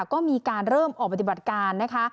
ก็มีการเริ่มออกปฏิบัติการนะคะ